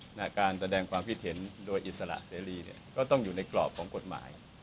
ในการแสดงความคิดเห็นโดยอิสระเสรีเนี่ยก็ต้องอยู่ในกรอบของกฎหมาย